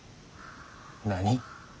何？